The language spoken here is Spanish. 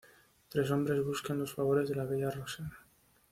Tres hombres buscan los favores de la bella Roxana.